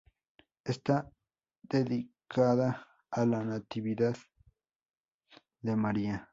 Está dedicada a la natividad de María.